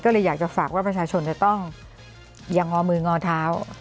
ก็เลยอยากจะฝากว่าประชาชนจะต้องอย่างงอมืองอเท้า